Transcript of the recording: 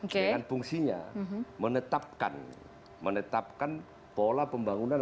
dengan fungsinya menetapkan pola pembangunan